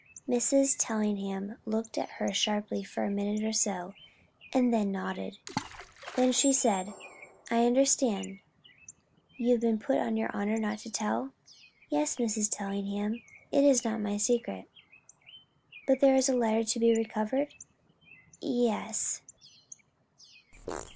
Mrs. Tellingham looked at her sharply for a minute or so, and then nodded. Then she said: "I understand. You have been put on your honor not to tell?" "Yes, Mrs. Tellingham. It is not my secret." "But there is a letter to be recovered?" "Ye es."